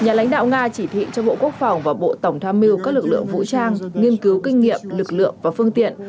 nhà lãnh đạo nga chỉ thị cho bộ quốc phòng và bộ tổng tham mưu các lực lượng vũ trang nghiên cứu kinh nghiệm lực lượng và phương tiện